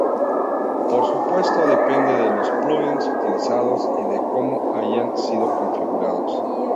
Por supuesto, depende de los plugins utilizados y de como hayan sido configurados.